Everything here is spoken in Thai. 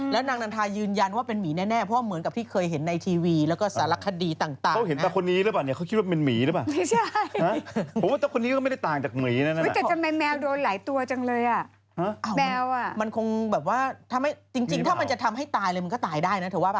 มันคงแบบว่าจริงถ้ามันจะทำให้ตายเลยมันก็ตายได้นะเธอว่าเปล่า